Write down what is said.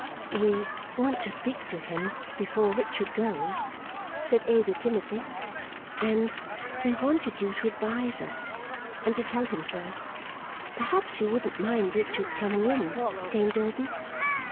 "We want to speak to him before Richard goes," said Ada timidly, "and we wanted you to advise us, and to tell him so. Perhaps you wouldn't mind Richard's coming in, Dame Durden?"